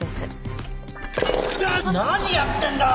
何やってんだ！